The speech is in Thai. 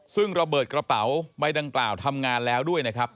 ซึ่งระเบิดกระเป๋าใบดังกล่าวทำงานแล้วด้วยนะครับ